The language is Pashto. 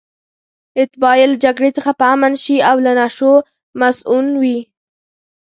اتباع یې له جګړې څخه په امن شي او له نشو مصئون وي.